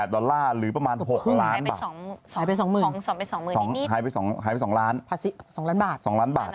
๑๗๖๘๖๘ดอลลาร์หรือประมาณ๖ล้านบาท